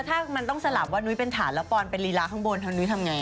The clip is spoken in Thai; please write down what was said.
ถ้ามันต้องสลับว่านุ้ยเป็นฐานแล้วปอนเป็นลีลาข้างบนทางนุ้ยทำไง